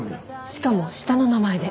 しかも下の名前で。